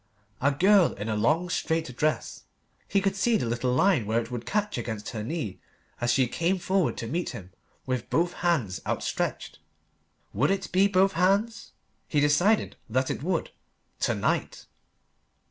A girl in a long straight dress; he could see the little line where it would catch against her knee as she came forward to meet him with both hands outstretched. Would it be both hands? He decided that it would to night.